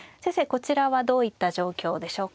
こちらはどういった状況でしょうか。